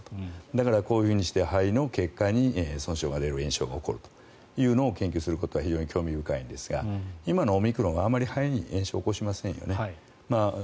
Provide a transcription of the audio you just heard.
だから、こうして肺の血管に損傷が出る炎症が起きることを研究するのは興味深いんですが今のオミクロンはあまり肺に炎症を起こしませんよね。